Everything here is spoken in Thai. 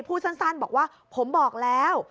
พูดสั้นบอกว่าผมบอกแล้ว